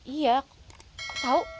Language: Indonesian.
iya aku tau